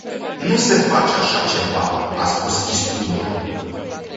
Nu se face așa ceva, a spus Istudor.